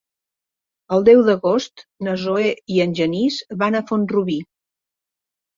El deu d'agost na Zoè i en Genís van a Font-rubí.